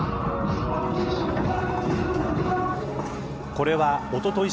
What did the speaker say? これはおととい